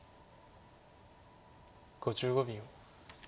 ５５秒。